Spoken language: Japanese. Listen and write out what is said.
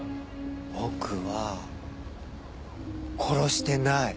僕は殺してない。